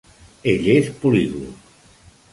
Ell és poliglot.